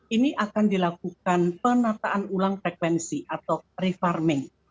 ini akan dilakukan penataan ulang frekuensi atau refarming